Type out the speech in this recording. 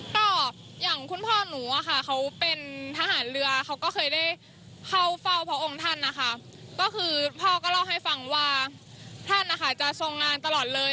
ก็อย่างคุณพ่อหนูอะค่ะเขาเป็นทหารเรือเขาก็เคยได้เข้าเฝ้าพระองค์ท่านนะคะก็คือพ่อก็เล่าให้ฟังว่าท่านนะคะจะทรงงานตลอดเลย